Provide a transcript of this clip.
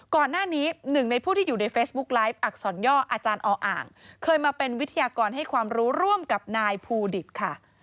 ก่อนหน้านี้หนึ่งในผู้ที่อยู่ในเฟซบุ๊กไลฟ์อักษรย่ออาจารย์ออ่างเคยมาเป็นวิทยากรให้ความรู้ร่วมกับนายภูดิตค่ะ